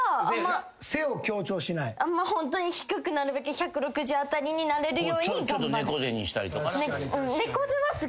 あんまホントに低くなるべく１６０辺りになれるように頑張る。